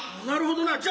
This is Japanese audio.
なるほどな。